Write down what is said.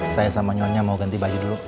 saya sama nyonya mau ganti baju dulu